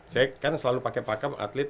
saya kan selalu pakai pakem atlet